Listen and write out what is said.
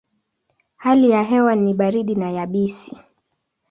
Hali ya hewa ni baridi na yabisi.